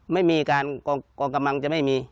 ไม่มีการกองกำลังจะไม่มี